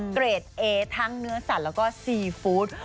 เกรดเอทั้งเนื้อสรรและก็ซีฟูต